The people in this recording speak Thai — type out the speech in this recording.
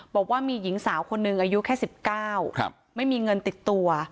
บอกว่ามีหญิงสาวคนหนึ่งอายุแค่๑๙ไม่มีเงินติดตัว